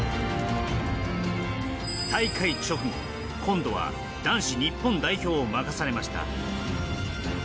大会直後、今度は男子日本代表を任されました。